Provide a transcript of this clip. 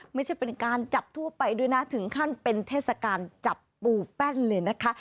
ไม่ใช่เป็นการจับทั่วไปด้วยนะถึงขั้นเป็นเทศกาลจับปูแป้นเลยนะคะ